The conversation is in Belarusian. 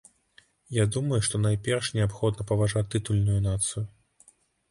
Я думаю, што найперш неабходна паважаць тытульную нацыю.